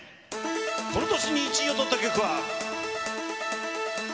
この年に１位をとった曲は。